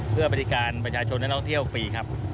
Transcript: เพื่อบริการประชาชนและนักท่องเที่ยวฟรีครับ